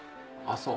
そう。